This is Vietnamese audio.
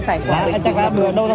tại quảng bình bị ngập